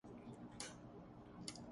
میری مدد کرو